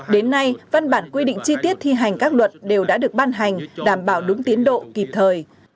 đến nay văn bản quy định chi tiết thi hành các luật đều đã được ban hành đảm bảo đúng tiến độ kịp thời